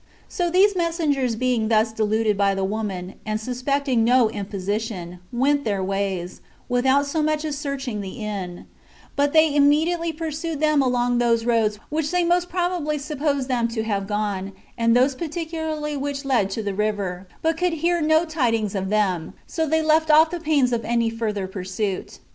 So these messengers being thus deluded by the woman, 2 and suspecting no imposition, went their ways, without so much as searching the inn; but they immediately pursued them along those roads which they most probably supposed them to have gone, and those particularly which led to the river, but could hear no tidings of them; so they left off the pains of any further pursuit.